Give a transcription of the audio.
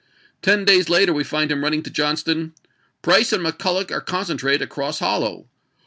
Ten days later we find him writing to Johnston :" Price and McCuUoch are concentrated at Cross Hollow.